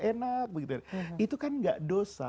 enak begitu itu kan gak dosa